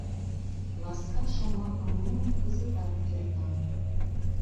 Ласка шомакым муын кызытат кертам.